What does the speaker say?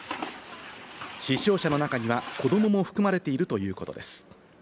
死傷者の中には子どもも含まれているということです。